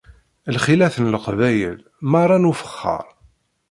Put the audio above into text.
Lḥilat n leqbayel merra n ufexxar